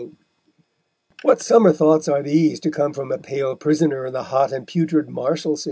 What summer thoughts are these to come from a pale prisoner in the hot and putrid Marshalsea!